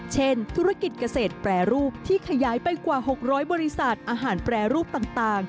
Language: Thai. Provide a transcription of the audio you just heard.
ธุรกิจเกษตรแปรรูปที่ขยายไปกว่า๖๐๐บริษัทอาหารแปรรูปต่าง